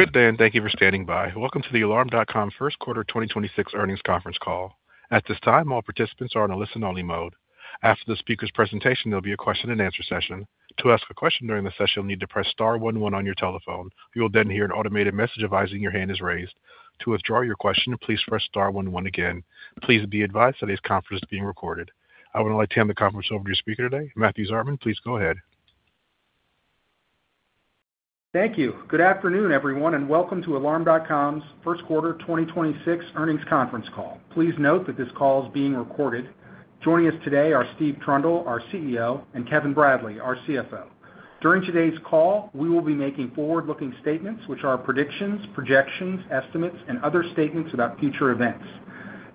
Good day, and thank you for standing by. Welcome to the Alarm.com first quarter 2026 earnings conference call. At this time, all participants are in listen-only mode. After the speaker's presentation, there will be a question and answer session. To ask a question during the session, you'll need to press star one one on your telephone. You will then hear an automated message advising your hand is raised. To withdraw your question, please press star one one again. Please be advised that this conference is being recorded. I would now like to hand the conference over to your speaker today, Matthew Zartman. Please go ahead. Thank you. Good afternoon, everyone, and welcome to Alarm.com's first quarter 2026 earnings conference call. Please note that this call is being recorded. Joining us today are Steve Trundle, our CEO, and Kevin Bradley, our CFO. During today's call, we will be making forward-looking statements, which are predictions, projections, estimates, and other statements about future events.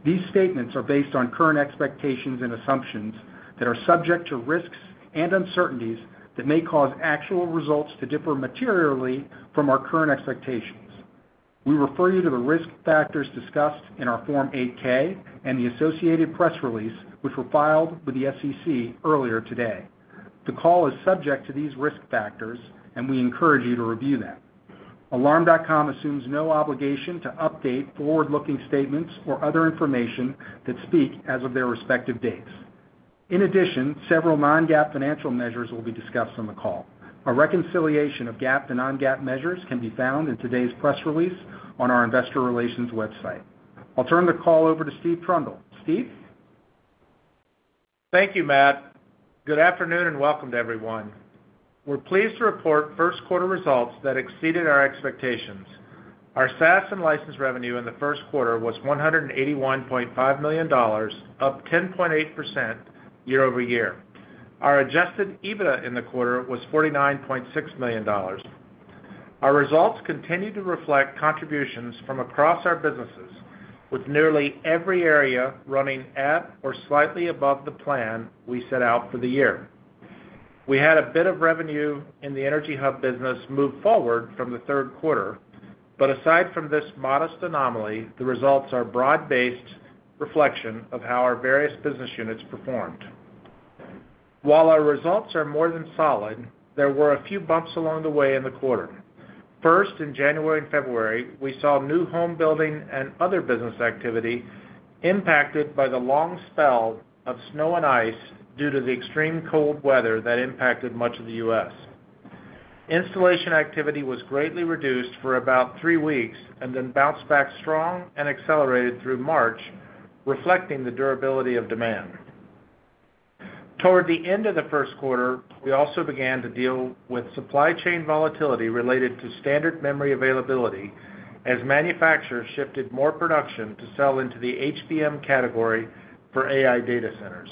These statements are based on current expectations and assumptions that are subject to risks and uncertainties that may cause actual results to differ materially from our current expectations. We refer you to the risk factors discussed in our Form 8-K and the associated press release, which were filed with the SEC earlier today. The call is subject to these risk factors, and we encourage you to review them. Alarm.com assumes no obligation to update forward-looking statements or other information that speak as of their respective dates. In addition several non-GAAP financial measures will be discussed on the call. A reconciliation of GAAP to non-GAAP measures can be found in today's press release on our investor relations website. I'll turn the call over to Steve Trundle. Steve? Thank you, Matt. Good afternoon, and welcome to everyone. We're pleased to report first quarter results that exceeded our expectations. Our SaaS and license revenue in the first quarter was $181.5 million, up 10.8% year-over-year. Our Adjusted EBITDA in the quarter was $49.6 million. Our results continue to reflect contributions from across our businesses, with nearly every area running at or slightly above the plan we set out for the year. We had a bit of revenue in the EnergyHub business move forward from the third quarter, but aside from this modest anomaly, the results are broad-based reflection of how our various business units performed. While our results are more than solid, there were a few bumps along the way in the quarter. First, in January and February, we saw new home building and other business activity impacted by the long spell of snow and ice due to the extreme cold weather that impacted much of the U.S. Installation activity was greatly reduced for about three weeks and then bounced back strong and accelerated through March, reflecting the durability of demand. Toward the end of the first quarter, we also began to deal with supply chain volatility related to standard memory availability as manufacturers shifted more production to sell into the HBM category for AI data centers.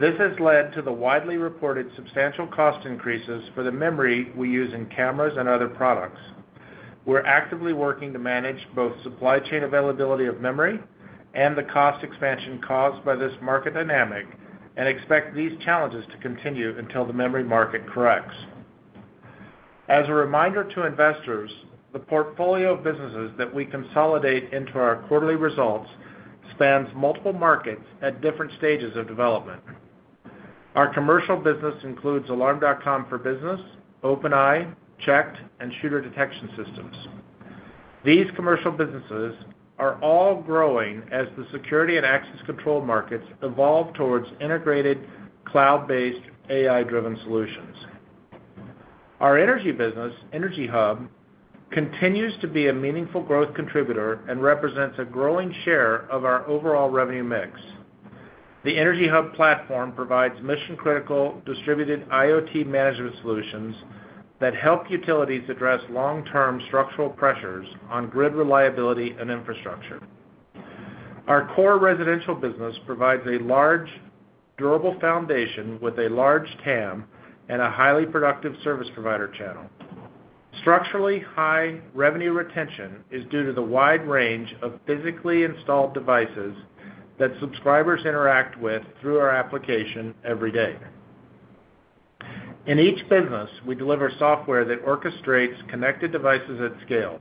This has led to the widely reported substantial cost increases for the memory we use in cameras and other products. We're actively working to manage both supply chain availability of memory and the cost expansion caused by this market dynamic and expect these challenges to continue until the memory market corrects. As a reminder to investors, the portfolio of businesses that we consolidate into our quarterly results spans multiple markets at different stages of development. Our commercial business includes Alarm.com for Business, OpenEye, CHeKT, and Shooter Detection Systems. These commercial businesses are all growing as the security and access control markets evolve towards integrated, cloud-based, AI-driven solutions. Our energy business, EnergyHub, continues to be a meaningful growth contributor and represents a growing share of our overall revenue mix. The EnergyHub platform provides mission-critical, distributed IoT management solutions that help utilities address long-term structural pressures on grid reliability and infrastructure. Our core residential business provides a large, durable foundation with a large TAM and a highly productive service provider channel. Structurally high revenue retention is due to the wide range of physically installed devices that subscribers interact with through our application every day. In each business, we deliver software that orchestrates connected devices at scale.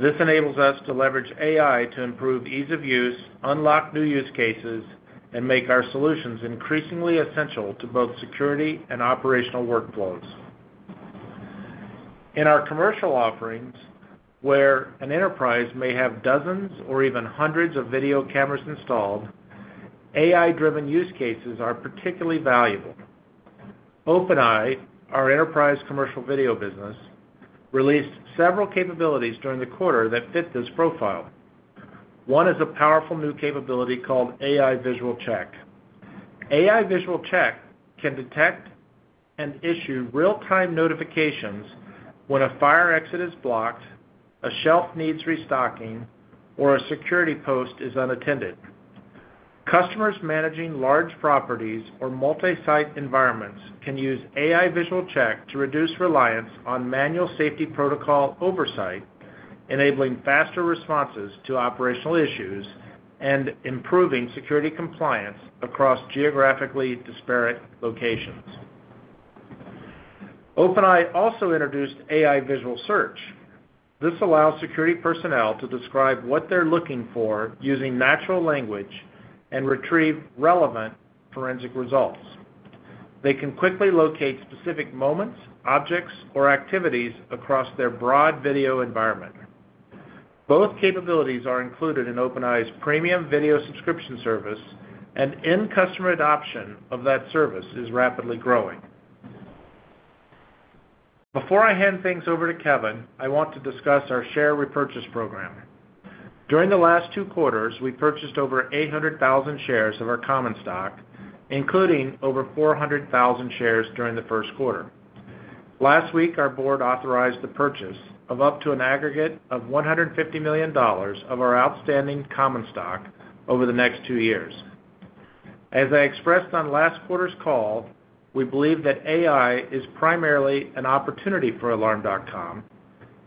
This enables us to leverage AI to improve ease of use, unlock new use cases, and make our solutions increasingly essential to both security and operational workflows. In our commercial offerings, where an enterprise may have dozens or even hundreds of video cameras installed, AI-driven use cases are particularly valuable. OpenEye, our enterprise commercial video business, released several capabilities during the quarter that fit this profile. One is a powerful new capability called AI Visual Check. AI Visual Check can detect and issue real-time notifications when a fire exit is blocked, a shelf needs restocking, or a security post is unattended. Customers managing large properties or multi-site environments can use AI Visual Check to reduce reliance on manual safety protocol oversight, enabling faster responses to operational issues and improving security compliance across geographically disparate locations. OpenEye also introduced AI Visual Search. This allows security personnel to describe what they're looking for using natural language and retrieve relevant forensic results. They can quickly locate specific moments, objects, or activities across their broad video environment. Both capabilities are included in OpenEye's premium video subscription service, and end customer adoption of that service is rapidly growing. Before I hand things over to Kevin, I want to discuss our share repurchase program. During the last 2 quarters, we purchased over 800,000 shares of our common stock, including over 400,000 shares during the first quarter. Last week, our Board authorized the purchase of up to an aggregate of $150 million of our outstanding common stock over the next 2 years. As I expressed on last quarter's call, we believe that AI is primarily an opportunity for Alarm.com,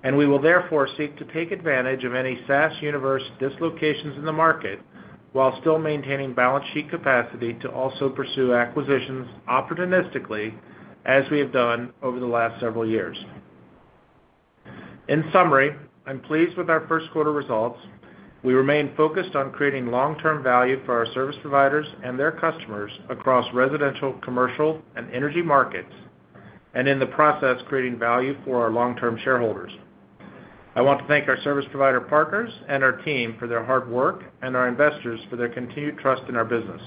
and we will therefore seek to take advantage of any SaaS universe dislocations in the market while still maintaining balance sheet capacity to also pursue acquisitions opportunistically as we have done over the last several years. In summary, I'm pleased with our first quarter results. We remain focused on creating long-term value for our service providers and their customers across residential, commercial, and energy markets, and in the process, creating value for our long-term shareholders. I want to thank our service provider partners and our team for their hard work and our investors for their continued trust in our business.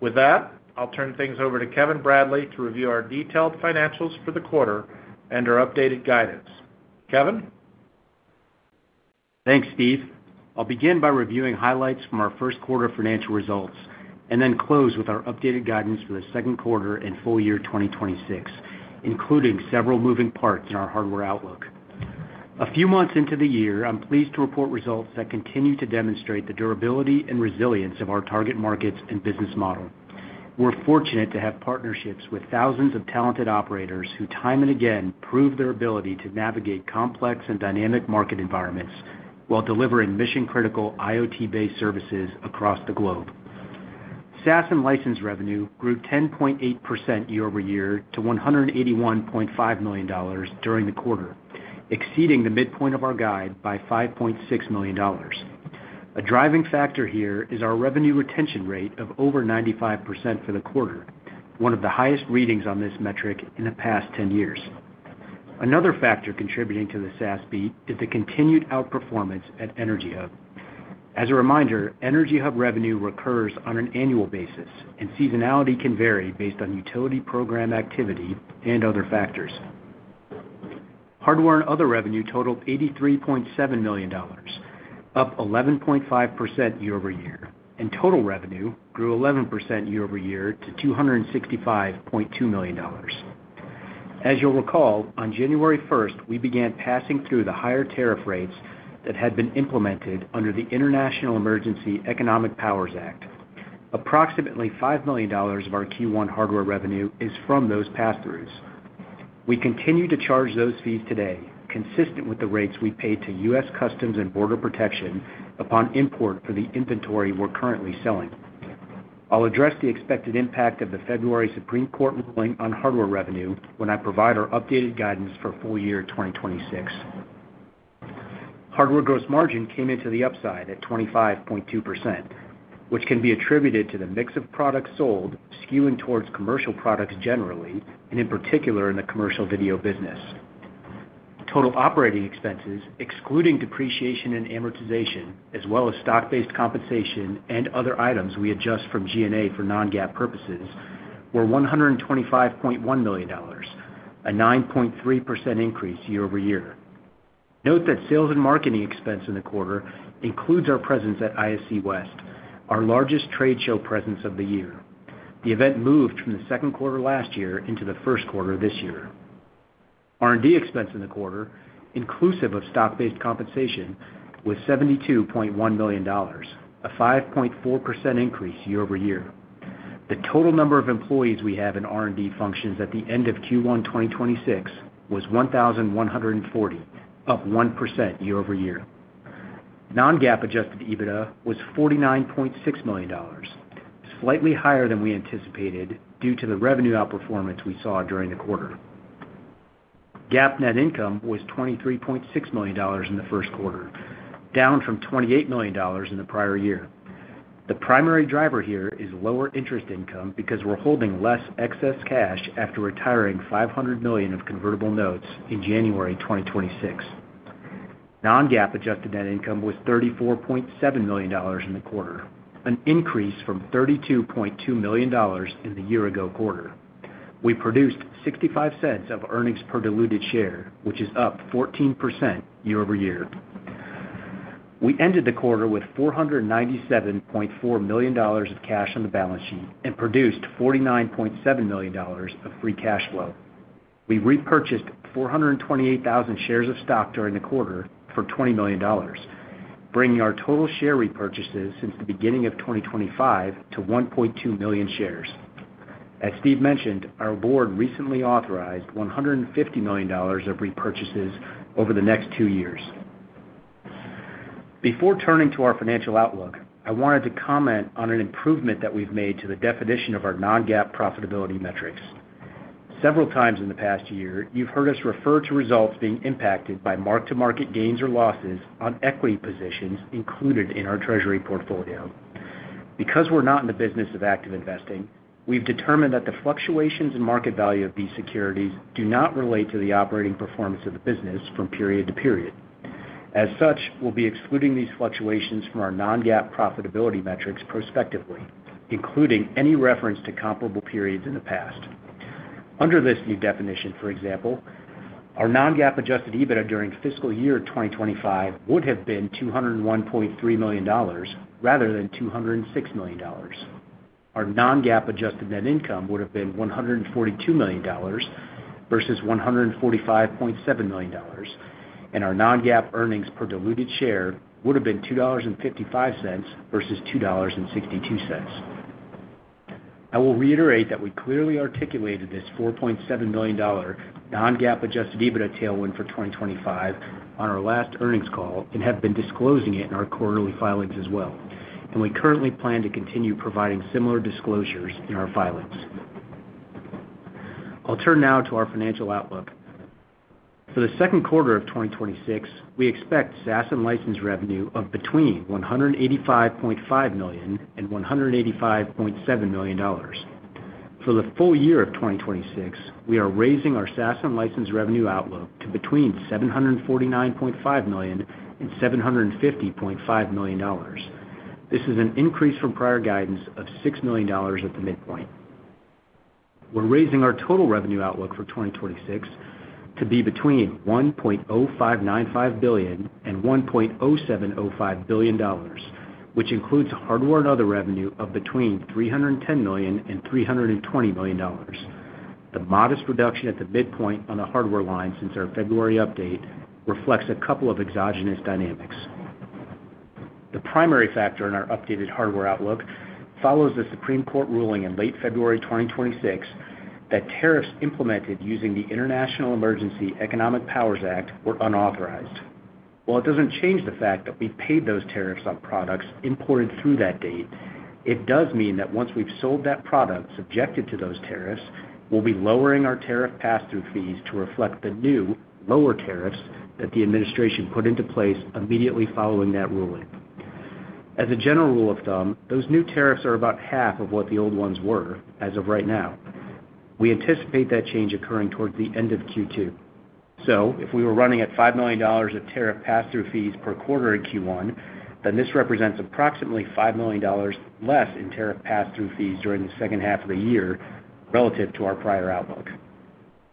With that, I'll turn things over to Kevin Bradley to review our detailed financials for the quarter and our updated guidance. Kevin? Thanks, Steve. I'll begin by reviewing highlights from our first quarter financial results, and then close with our updated guidance for the second quarter and full year 2026, including several moving parts in our hardware outlook. A few months into the year, I'm pleased to report results that continue to demonstrate the durability and resilience of our target markets and business model. We're fortunate to have partnerships with thousands of talented operators who time and again prove their ability to navigate complex and dynamic market environments while delivering mission-critical IoT-based services across the globe. SaaS and license revenue grew 10.8% year-over-year to $181.5 million during the quarter, exceeding the midpoint of our guide by $5.6 million. A driving factor here is our revenue retention rate of over 95% for the quarter, one of the highest readings on this metric in the past 10 years. Another factor contributing to the SaaS beat is the continued outperformance at EnergyHub. As a reminder, EnergyHub revenue recurs on an annual basis, and seasonality can vary based on utility program activity and other factors. Hardware and other revenue totaled $83.7 million, up 11.5% year-over-year, and total revenue grew 11% year-over-year to $265.2 million. As you'll recall, on January 1, we began passing through the higher tariff rates that had been implemented under the International Emergency Economic Powers Act. Approximately $5 million of our Q1 hardware revenue is from those pass-throughs. We continue to charge those fees today, consistent with the rates we pay to U.S. Customs and Border Protection upon import for the inventory we're currently selling. I'll address the expected impact of the February Supreme Court ruling on hardware revenue when I provide our updated guidance for full year 2026. Hardware gross margin came into the upside at 25.2%, which can be attributed to the mix of products sold skewing towards commercial products generally, and in particular, in the commercial video business. Total operating expenses, excluding depreciation and amortization, as well as stock-based compensation and other items we adjust from G&A for non-GAAP purposes, were $125.1 million, a 9.3% increase year-over-year. Note that sales and marketing expense in the quarter includes our presence at ISC West, our largest trade show presence of the year. The event moved from the 2nd quarter last year into the 1st quarter this year. R&D expense in the quarter, inclusive of stock-based compensation, was $72.1 million, a 5.4% increase year-over-year. The total number of employees we have in R&D functions at the end of Q1 2026 was 1,140, up 1% year-over-year. Non-GAAP Adjusted EBITDA was $49.6 million, slightly higher than we anticipated due to the revenue outperformance we saw during the quarter. GAAP net income was $23.6 million in the 1st quarter, down from $28 million in the prior year. The primary driver here is lower interest income because we're holding less excess cash after retiring $500 million of convertible notes in January 2026. Non-GAAP adjusted net income was $34.7 million in the quarter, an increase from $32.2 million in the year-ago quarter. We produced $0.65 of earnings per diluted share, which is up 14% year-over-year. We ended the quarter with $497.4 million of cash on the balance sheet and produced $49.7 million of free cash flow. We repurchased 428,000 shares of stock during the quarter for $20 million, bringing our total share repurchases since the beginning of 2025 to 1.2 million shares. As Steve mentioned, our board recently authorized $150 million of repurchases over the next two years. Before turning to our financial outlook, I wanted to comment on an improvement that we've made to the definition of our non-GAAP profitability metrics. Several times in the past year, you've heard us refer to results being impacted by mark-to-market gains or losses on equity positions included in our treasury portfolio. Because we're not in the business of active investing, we've determined that the fluctuations in market value of these securities do not relate to the operating performance of the business from period to period. As such, we'll be excluding these fluctuations from our non-GAAP profitability metrics prospectively, including any reference to comparable periods in the past. Under this new definition, for example, our non-GAAP Adjusted EBITDA during fiscal year 2025 would have been $201.3 million rather than $206 million. Our non-GAAP adjusted net income would have been $142 million versus $145.7 million, and our non-GAAP earnings per diluted share would have been $2.55 versus $2.62. I will reiterate that we clearly articulated this $4.7 million non-GAAP Adjusted EBITDA tailwind for 2025 on our last earnings call and have been disclosing it in our quarterly filings as well. We currently plan to continue providing similar disclosures in our filings. I'll turn now to our financial outlook. For the second quarter of 2026, we expect SaaS and license revenue of between $185.5 million and $185.7 million. For the full year of 2026, we are raising our SaaS and license revenue outlook to between $749.5 million and $750.5 million. This is an increase from prior guidance of $6 million at the midpoint. We're raising our total revenue outlook for 2026 to be between $1.0595 billion and $1.0705 billion, which includes hardware and other revenue of between $310 million and $320 million. The modest reduction at the midpoint on the hardware line since our February update reflects a couple of exogenous dynamics. The primary factor in our updated hardware outlook follows the Supreme Court ruling in late February 2026 that tariffs implemented using the International Emergency Economic Powers Act were unauthorized. While it doesn't change the fact that we paid those tariffs on products imported through that date, it does mean that once we've sold that product subjected to those tariffs, we'll be lowering our tariff pass-through fees to reflect the new lower tariffs that the administration put into place immediately following that ruling. As a general rule of thumb, those new tariffs are about half of what the old ones were as of right now. We anticipate that change occurring towards the end of Q2. If we were running at $5 million of tariff pass-through fees per quarter in Q1, then this represents approximately $5 million less in tariff pass-through fees during the second half of the year relative to our prior outlook.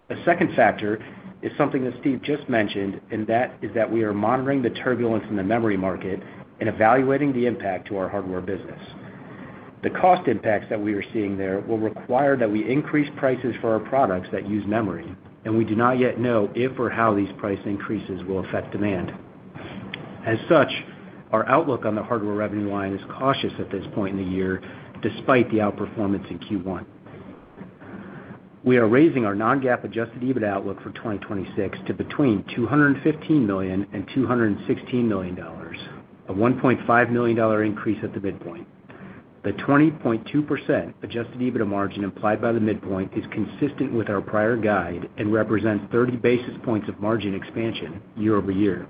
A second factor is something that Steve just mentioned, and that is that we are monitoring the turbulence in the memory market and evaluating the impact to our hardware business. The cost impacts that we are seeing there will require that we increase prices for our products that use memory, and we do not yet know if or how these price increases will affect demand. As such, our outlook on the hardware revenue line is cautious at this point in the year, despite the outperformance in Q1. We are raising our non-GAAP Adjusted EBITDA outlook for 2026 to between $215 million and $216 million, a $1.5 million increase at the midpoint. The 20.2% Adjusted EBITDA margin implied by the midpoint is consistent with our prior guide and represents 30 basis points of margin expansion year-over-year.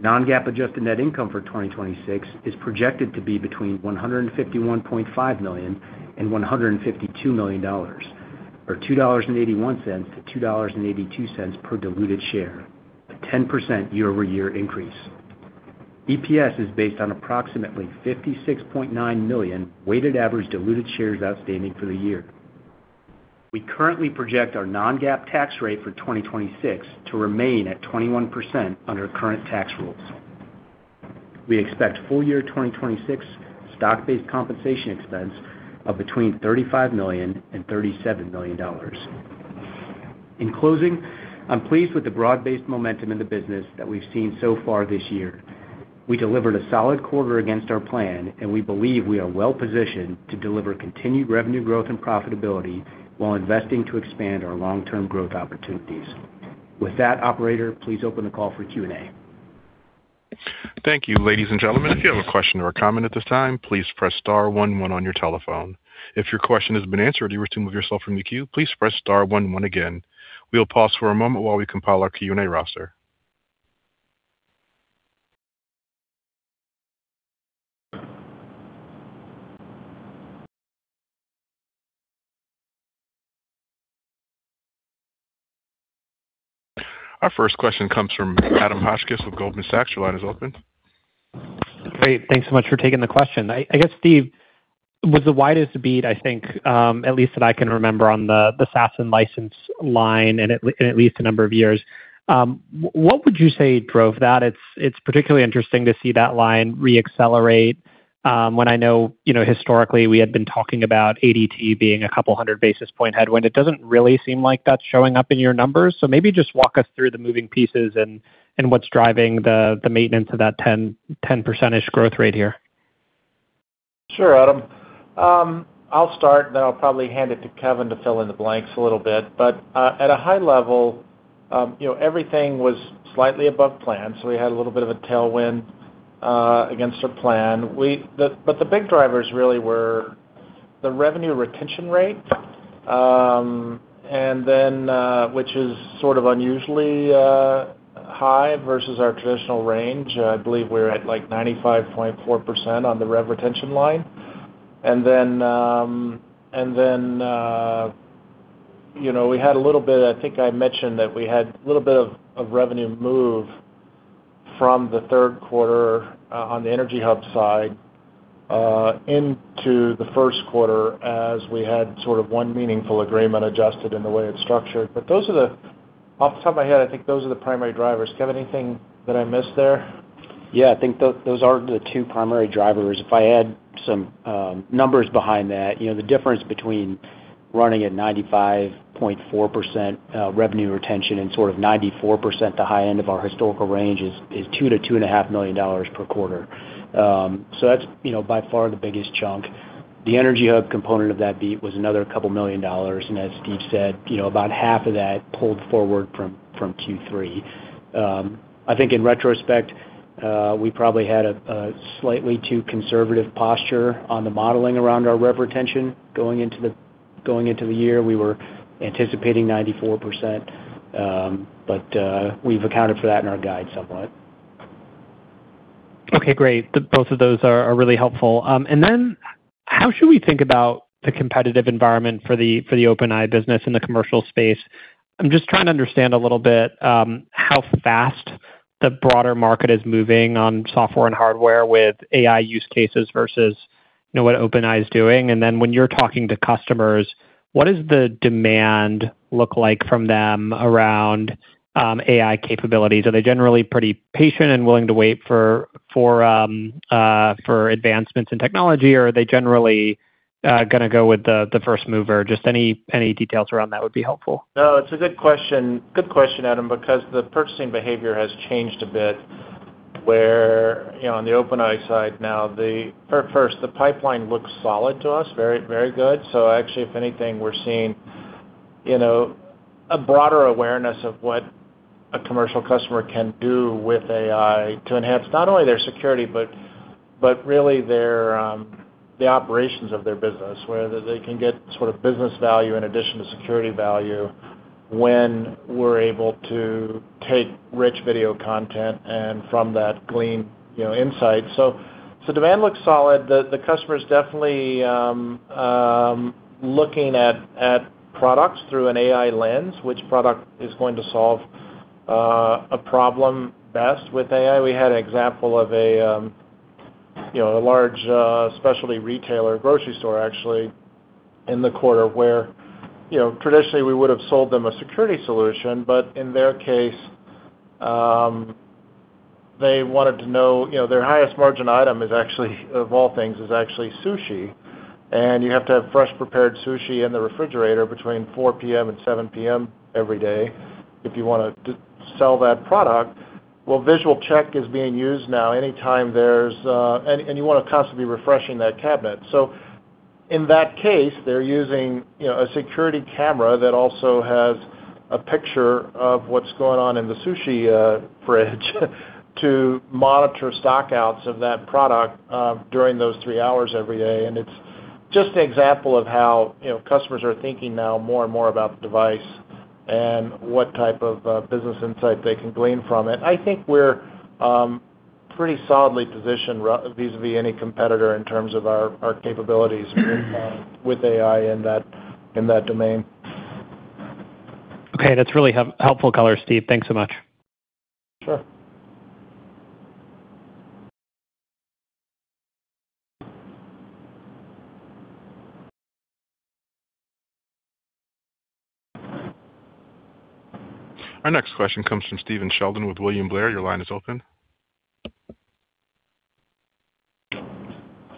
Non-GAAP adjusted net income for 2026 is projected to be between $151.5 million and $152 million, or $2.81-$2.82 per diluted share, a 10% year-over-year increase. EPS is based on approximately 56.9 million weighted average diluted shares outstanding for the year. We currently project our non-GAAP tax rate for 2026 to remain at 21% under current tax rules. We expect full year 2026 stock-based compensation expense of between $35 million and $37 million. In closing, I'm pleased with the broad-based momentum in the business that we've seen so far this year. We delivered a solid quarter against our plan, and we believe we are well-positioned to deliver continued revenue growth and profitability while investing to expand our long-term growth opportunities. With that, operator, please open the call for Q&A. Thank you. Ladies and gentlemen, if you have a question or a comment at this time, please press star one one on your telephone. If your question has been answered or you wish to remove yourself from the queue, please press star one one again. We'll pause for a moment while we compile our Q&A roster. Our first question comes from Adam Hotchkiss with Goldman Sachs. Your line is open. Great. Thanks so much for taking the question. I guess, Steve, with the widest beat, I think, at least that I can remember on the SaaS and license line and at least a number of years, what would you say drove that? It's particularly interesting to see that line re-accelerate, when I know, you know, historically, we had been talking about ADT being a couple hundred basis point headwind. It doesn't really seem like that's showing up in your numbers. Maybe just walk us through the moving pieces and what's driving the maintenance of that 10%-ish growth rate here. Sure, Adam. I'll start, then I'll probably hand it to Kevin to fill in the blanks a little bit. At a high level, you know, everything was slightly above plan. We had a little bit of a tailwind against our plan. The big drivers really were the revenue retention rate, and then, which is sort of unusually high versus our traditional range. I believe we're at like 95.4% on the rev retention line. Then, you know, we had a little bit, I think I mentioned that we had a little bit of revenue move from the third quarter on the EnergyHub side into the first quarter as we had sort of 1 meaningful agreement adjusted in the way it's structured. Off the top of my head, I think those are the primary drivers. Kevin, anything that I missed there? Yeah. I think those are the 2 primary drivers. If I add some numbers behind that, you know, the difference between running at 95.4% revenue retention and sort of 94%, the high end of our historical range, is $2 million-$2.5 million per quarter. That's, you know, by far the biggest chunk. The EnergyHub component of that beat was another $2 million, and as Steve said, you know, about half of that pulled forward from Q3. I think in retrospect, we probably had a slightly too conservative posture on the modeling around our revenue retention going into the year. We were anticipating 94%, we've accounted for that in our guide somewhat. Okay, great. Both of those are really helpful. How should we think about the competitive environment for the OpenEye business in the commercial space? I'm just trying to understand a little bit how fast the broader market is moving on software and hardware with AI use cases versus, you know, what OpenEye is doing. When you're talking to customers, what does the demand look like from them around AI capabilities? Are they generally pretty patient and willing to wait for advancements in technology, or are they generally gonna go with the first mover? Just any details around that would be helpful. It's a good question. Good question, Adam Hotchkiss, because the purchasing behavior has changed a bit where, you know, on the OpenEye side now, the pipeline looks solid to us, very good. Actually, if anything, we're seeing, you know, a broader awareness of what a commercial customer can do with AI to enhance not only their security, but really their operations of their business, where they can get sort of business value in addition to security value when we're able to take rich video content and from that glean, you know, insight. Demand looks solid. The customer's definitely looking at products through an AI lens, which product is going to solve a problem best with AI. We had an example of a, you know, a large, specialty retailer grocery store actually in the quarter where, you know, traditionally, we would have sold them a security solution, but in their case, they wanted to know, you know, their highest margin item is actually, of all things, is actually sushi, and you have to have fresh prepared sushi in the refrigerator between 4:00 P.M. and 7:00 P.M. every day if you want to sell that product. Visual Check is being used now anytime there's, you want to constantly refreshing that cabinet. In that case, they're using, you know, a security camera that also has a picture of what's going on in the sushi fridge to monitor stock-outs of that product, during those three hours every day. It's just an example of how, you know, customers are thinking now more and more about the device and what type of business insight they can glean from it. I think we're pretty solidly positioned vis-a-vis any competitor in terms of our capabilities with AI in that, in that domain. Okay. That's really helpful color, Steve. Thanks so much. Sure. Our next question comes from Stephen Sheldon with William Blair. Your line is open.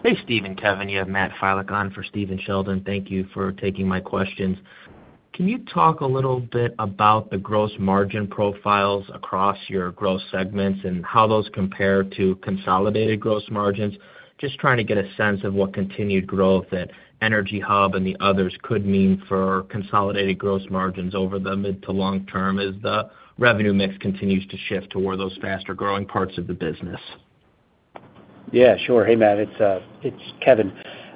Hey, Steve and Kevin. You have Matt Filek on for Stephen Sheldon. Thank you for taking my questions. Can you talk a little bit about the gross margin profiles across your gross segments and how those compare to consolidated gross margins? Just trying to get a sense of what continued growth at EnergyHub and the others could mean for consolidated gross margins over the mid to long term as the revenue mix continues to shift toward those faster-growing parts of the business. Yeah, sure. Hey, Matt, it's Kevin.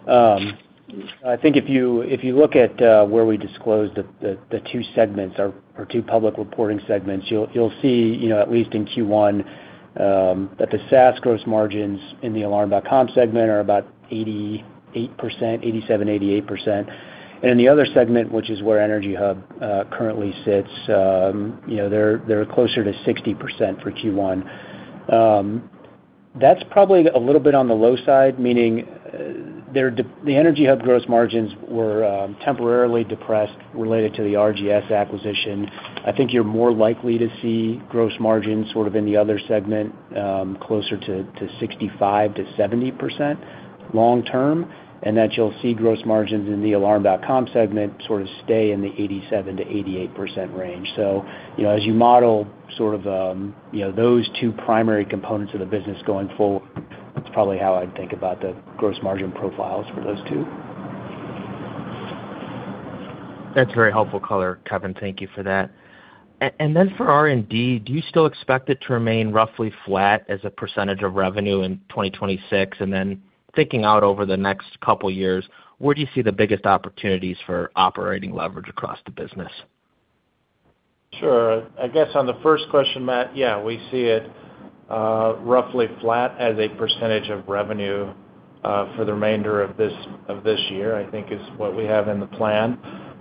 I think if you look at where we disclosed the two segments or two public reporting segments, you'll see, you know, at least in Q1, that the SaaS gross margins in the Alarm.com segment are about 88%, 87%-88%. In the other segment, which is where EnergyHub currently sits, you know, they're closer to 60% for Q1. That's probably a little bit on the low side, meaning the EnergyHub gross margins were temporarily depressed related to the RGS acquisition. I think you're more likely to see gross margins sort of in the other segment, closer to 65%-70% long term, and that you'll see gross margins in the Alarm.com segment sort of stay in the 87%-88% range. You know, as you model sort of, you know, those two primary components of the business going forward, that's probably how I'd think about the gross margin profiles for those two. That's very helpful color, Kevin. Thank you for that. Then for R&D, do you still expect it to remain roughly flat as a % of revenue in 2026? Then thinking out over the next couple years, where do you see the biggest opportunities for operating leverage across the business? Sure. I guess on the first question, Matt, yeah, we see it roughly flat as a percentage of revenue for the remainder of this year, I think is what we have in the plan.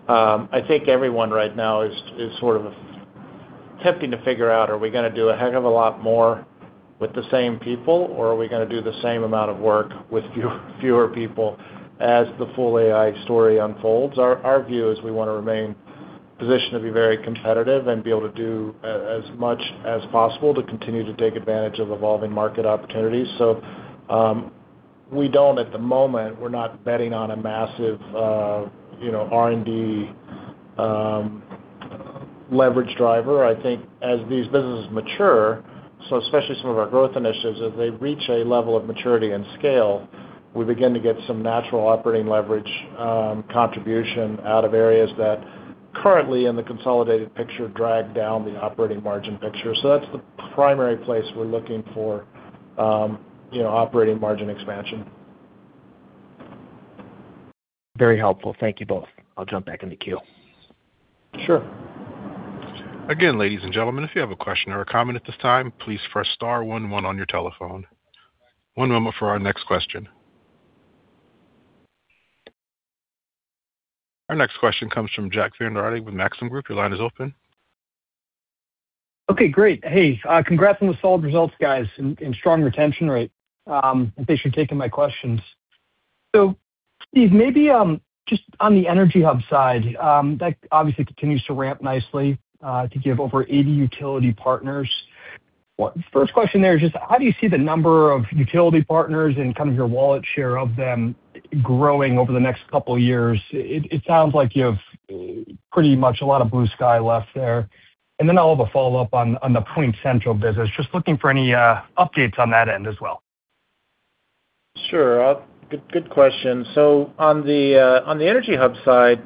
I think everyone right now is sort of attempting to figure out, are we gonna do a heck of a lot more with the same people, or are we gonna do the same amount of work with fewer people as the full AI story unfolds? Our view is we wanna remain positioned to be very competitive and be able to do as much as possible to continue to take advantage of evolving market opportunities. We don't at the moment, we're not betting on a massive, you know, R&D leverage driver. I think as these businesses mature, so especially some of our growth initiatives, as they reach a level of maturity and scale, we begin to get some natural operating leverage, contribution out of areas that currently in the consolidated picture drag down the operating margin picture. That's the primary place we're looking for, you know, operating margin expansion. Very helpful. Thank you both. I'll jump back in the queue. Sure. Again, ladies and gentlemen, if you have a question or a comment at this time, please press star one one on your telephone. One moment for our next question. Our next question comes from Jack Vander Aarde with Maxim Group. Your line is open. Okay, great. Hey, congrats on the solid results, guys, and strong retention rate. Appreciate you taking my questions. Steve, maybe, just on the EnergyHub side, that obviously continues to ramp nicely, I think you have over 80 utility partners. First question there is just how do you see the number of utility partners and kind of your wallet share of them growing over the next couple of years? It sounds like you have pretty much a lot of blue sky left there. I'll have a follow-up on the PointCentral business. Just looking for any updates on that end as well. Sure. Good, good question. On the EnergyHub side,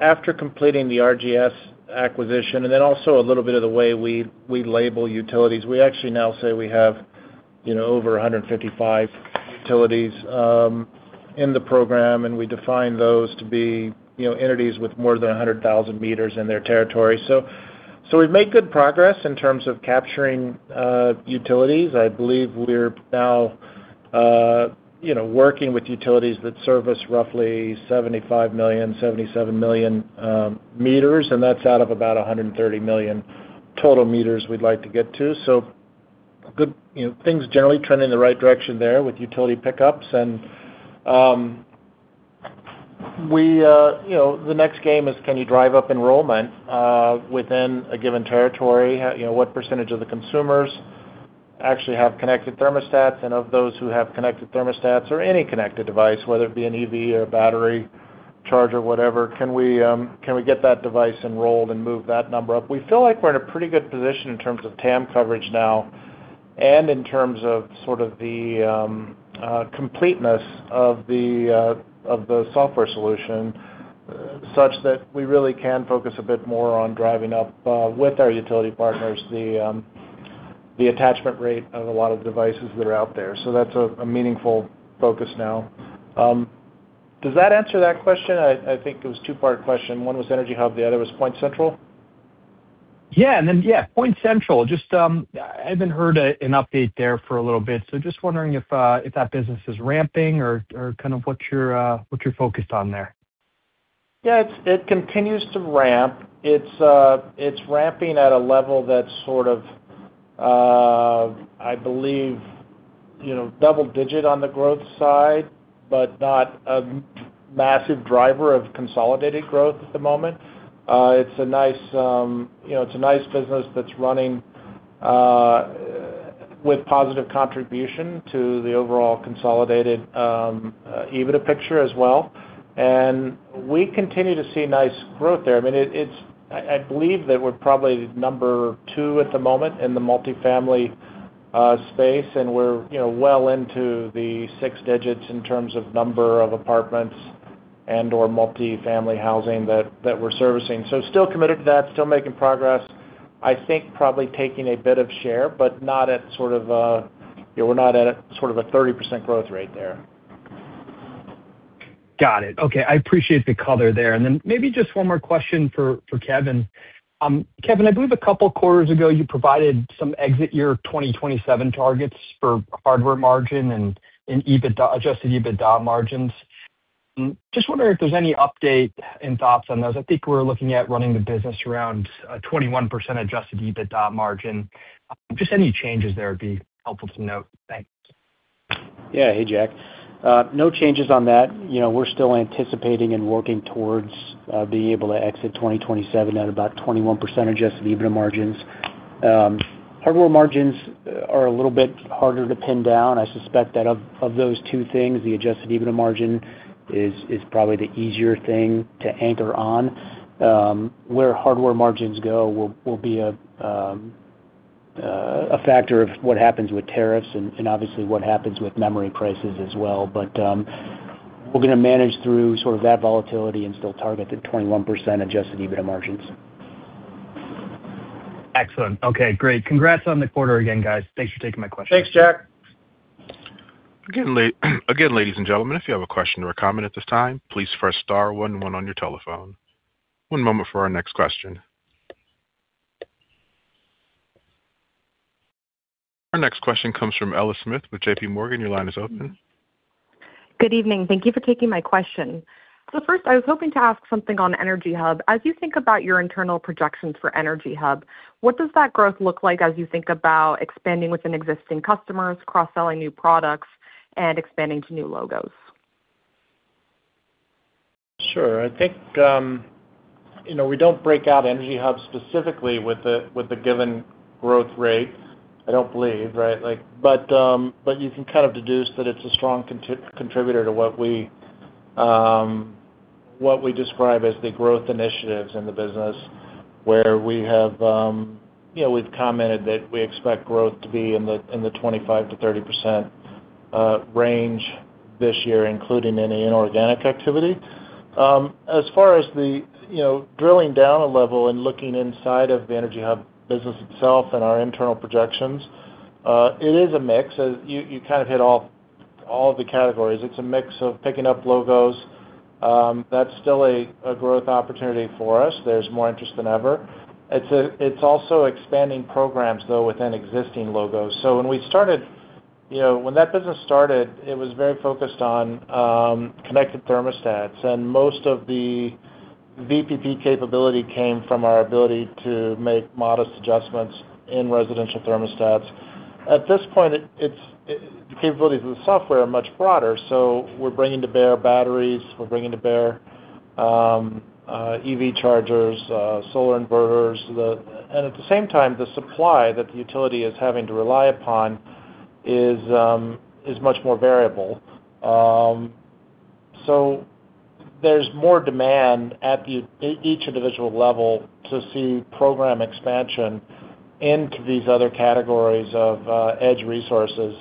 after completing the RGS acquisition and then also a little bit of the way we label utilities, we actually now say we have over 155 utilities in the program, and we define those to be entities with more than 100,000 meters in their territory. I believe we're now working with utilities that service roughly 75 million-77 million meters, and that's out of about 130 million total meters we'd like to get to. Good, things generally trending in the right direction there with utility pickups. We, you know, the next game is, can you drive up enrollment within a given territory? You know, what percentage of the consumers actually have connected thermostats? Of those who have connected thermostats or any connected device, whether it be an EV or a battery charger, whatever, can we get that device enrolled and move that number up? We feel like we're in a pretty good position in terms of TAM coverage now and in terms of sort of the completeness of the software solution, such that we really can focus a bit more on driving up with our utility partners, the attachment rate of a lot of devices that are out there. That's a meaningful focus now. Does that answer that question? I think it was a two-part question. One was EnergyHub, the other was PointCentral. Yeah. PointCentral. Just, I haven't heard an update there for a little bit, so just wondering if that business is ramping or kind of what you're focused on there. Yeah, it continues to ramp. It's ramping at a level that's sort of, I believe, you know, double-digit on the growth side, but not a massive driver of consolidated growth at the moment. It's a nice, you know, it's a nice business that's running with positive contribution to the overall consolidated EBITDA picture as well. We continue to see nice growth there. I mean, I believe that we're probably number 2 at the moment in the multifamily space, and we're, you know, well into the 6 digits in terms of number of apartments and/or multifamily housing that we're servicing. Still committed to that, still making progress. I think probably taking a bit of share, but not at sort of a, you know, we're not at a sort of a 30% growth rate there. Got it. Okay, I appreciate the color there. Then maybe just one more question for Kevin. Kevin, I believe a couple quarters ago, you provided some exit year 2027 targets for hardware margin and Adjusted EBITDA margins. Just wondering if there's any update and thoughts on those. I think we're looking at running the business around 21% Adjusted EBITDA margin. Just any changes there would be helpful to note. Thanks. Hey, Jack. No changes on that. You know, we're still anticipating and working towards being able to exit 2027 at about 21% Adjusted EBITDA margins. Hardware margins are a little bit harder to pin down. I suspect that of those two things, the Adjusted EBITDA margin is probably the easier thing to anchor on. Where hardware margins go will be a. A factor of what happens with tariffs and obviously what happens with memory prices as well. We're gonna manage through sort of that volatility and still target the 21% adjusted EBITDA margins. Excellent. Okay, great. Congrats on the quarter again, guys. Thanks for taking my question. Thanks, Jack. Again, ladies and gentlemen, if you have a question or a comment at this time, please press star one one on your telephone. One moment for our next question. Our next question comes from Ella Smith with JPMorgan. Your line is open. Good evening. Thank you for taking my question. First, I was hoping to ask something on EnergyHub. As you think about your internal projections for EnergyHub, what does that growth look like as you think about expanding within existing customers, cross-selling new products, and expanding to new logos? Sure. I think, you know, we don't break out EnergyHub specifically with the, with the given growth rate, I don't believe, right? Like, but, you can kind of deduce that it's a strong contributor to what we, what we describe as the growth initiatives in the business, where we have, you know, we've commented that we expect growth to be in the 25%-30% range this year, including any inorganic activity. As far as the, you know, drilling down a level and looking inside of the EnergyHub business itself and our internal projections, it is a mix. You kind of hit all of the categories. It's a mix of picking up logos. That's still a growth opportunity for us. There's more interest than ever. It's also expanding programs, though, within existing logos. When we started, you know, when that business started, it was very focused on connected thermostats, and most of the VPP capability came from our ability to make modest adjustments in residential thermostats. At this point, it's the capabilities of the software are much broader, so we're bringing to bear batteries, we're bringing to bear EV chargers, solar inverters. At the same time, the supply that the utility is having to rely upon is much more variable. There's more demand at the each individual level to see program expansion into these other categories of edge resources,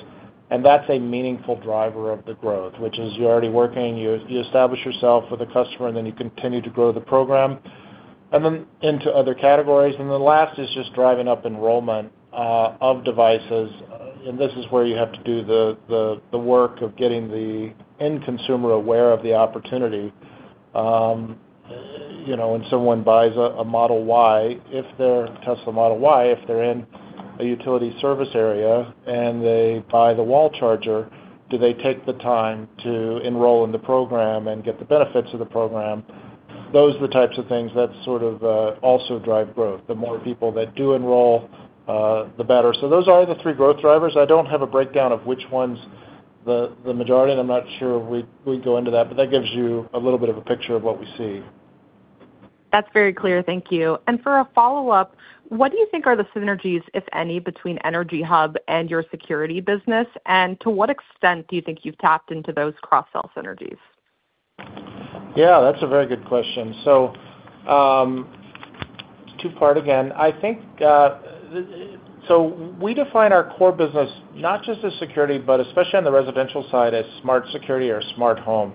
and that's a meaningful driver of the growth, which is you're already working, you establish yourself with a customer, and then you continue to grow the program, and then into other categories. The last is just driving up enrollment of devices, and this is where you have to do the work of getting the end consumer aware of the opportunity. You know, when someone buys a Model Y, if their Tesla Model Y, if they're in a utility service area and they buy the wall charger, do they take the time to enroll in the program and get the benefits of the program? Those are the types of things that sort of also drive growth. The more people that do enroll, the better. Those are the 3 growth drivers. I don't have a breakdown of which one's the majority, and I'm not sure we'd go into that, but that gives you a little bit of a picture of what we see. That's very clear. Thank you. For a follow-up, what do you think are the synergies, if any, between EnergyHub and your security business? To what extent do you think you've tapped into those cross-sell synergies? Yeah, that's a very good question. Two-part again. I think we define our core business not just as security, but especially on the residential side, as smart security or smart home,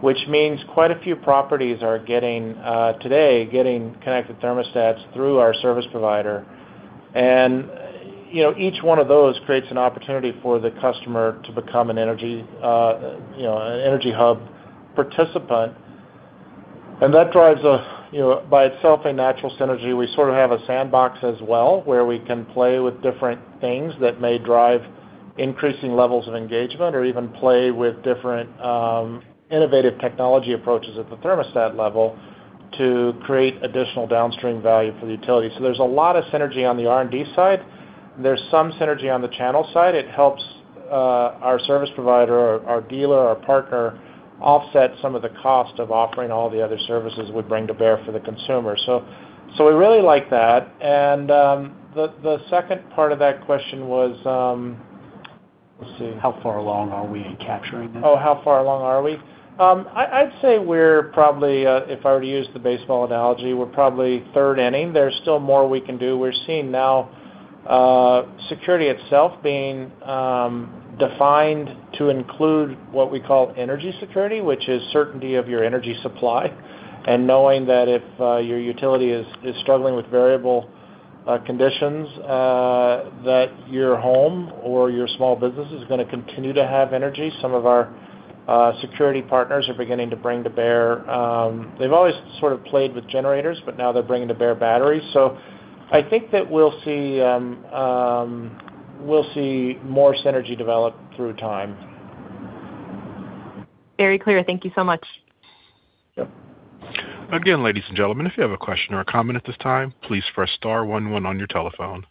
which means quite a few properties are getting today, getting connected thermostats through our service provider. Each one of those creates an opportunity for the customer to become an energy, you know, an EnergyHub participant. That drives a, you know, by itself, a natural synergy. We sort of have a sandbox as well where we can play with different things that may drive increasing levels of engagement or even play with different innovative technology approaches at the thermostat level to create additional downstream value for the utility. There's a lot of synergy on the R&D side. There's some synergy on the channel side. It helps our service provider, our dealer, our partner offset some of the cost of offering all the other services we bring to bear for the consumer. We really like that. The second part of that question was, let's see. How far along are we in capturing that? How far along are we? I'd say we're probably, if I were to use the baseball analogy, we're probably third inning. There's still more we can do. We're seeing now, security itself being defined to include what we call energy security, which is certainty of your energy supply, and knowing that if your utility is struggling with variable conditions, that your home or your small business is gonna continue to have energy. Some of our security partners are beginning to bring to bear. They've always sort of played with generators, but now they're bringing to bear batteries. I think that we'll see more synergy develop through time. Very clear. Thank you so much. Yeah. Again, ladies and gentlemen, if you have a question or a comment at this time, please press star one one on your telephone.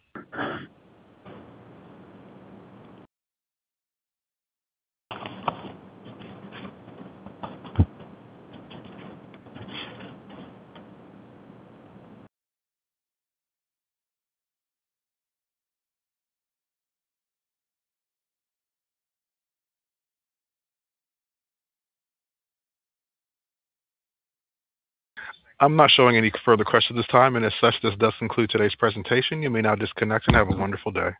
I'm not showing any further questions at this time, and as such, this does conclude today's presentation. You may now disconnect and have a wonderful day. Thanks.